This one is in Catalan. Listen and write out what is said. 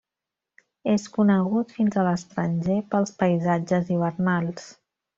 És conegut fins a l'estranger pels paisatges hivernals.